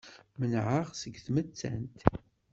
Menɛeɣ seg tmettant.